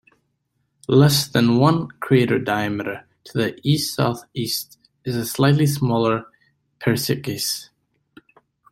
Less than one crater diameter to the east-southeast is the slightly smaller Peirescius.